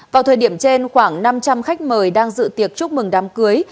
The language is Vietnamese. vào thời điểm trên khoảng năm trăm linh khách mời đang dự tiệc chúc mừng đám cưới